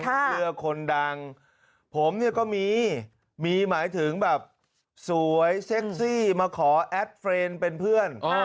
เหลือคนดังผมก็มีมีหมายถึงสวยเซ็กซี่มาขอแอดเพื่อนเป็นเพื่อน